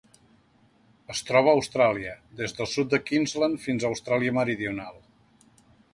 Es troba a Austràlia: des del sud de Queensland fins a Austràlia Meridional.